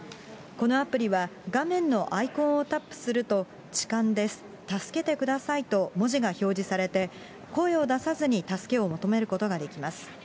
このアプリは、画面のアイコンをタップすると、痴漢です、助けてくださいと文字が表示されて、声を出さずに助けを求めることができます。